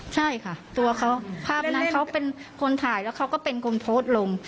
ใช่ค่ะตัวเขาภาพนั้นเขาเป็นคนถ่ายแล้วเขาก็เป็นคนโพสต์ลง